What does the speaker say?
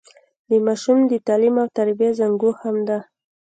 د ماشوم د تعليم او تربيې زانګو هم ده.